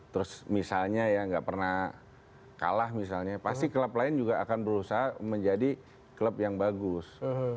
terus misalnya ya nggak pernah kalah misalnya pasti klub lain juga akan berusaha menjadi klub yang bagus